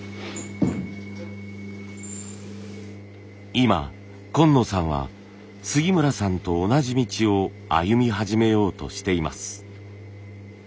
今今野さんは杉村さんと同じ道を歩み始めようとしています。